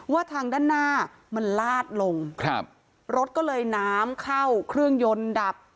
ว่าทางด้านหน้ามันลาดลงครับรถก็เลยน้ำเข้าเครื่องยนต์ดับ